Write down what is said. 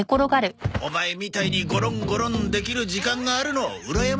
オマエみたいにゴロンゴロンできる時間があるのうらやましいぜ。